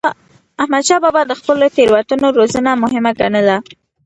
احمدشاه بابا د خپلو سرتېرو روزنه مهمه ګڼله.